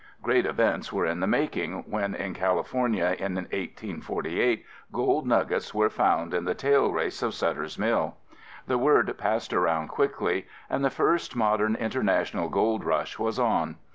Great events were in the making when in California in 1848, gold nuggets were found in the tailrace of Sutter's Mill. The word passed around quickly, and the first modern international gold rush was on.